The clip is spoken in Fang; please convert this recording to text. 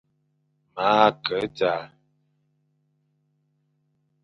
Ma ke a dzaʼa.